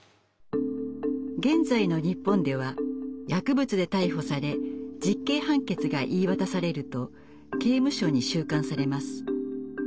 現在の日本では薬物で逮捕され実刑判決が言い渡されると刑務所に収監されます。